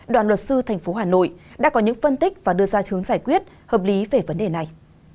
đoàn luật sư tp hà nội đã có những phân tích và đưa ra chướng giải quyết hợp lý về vấn đề này